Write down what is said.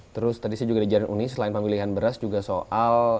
terus tadi saya juga dijalankan uni selain pemilihan beras juga soal